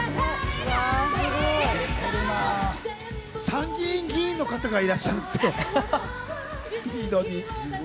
参議院議員の方がいらっしゃいます。